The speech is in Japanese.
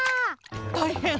たいへん！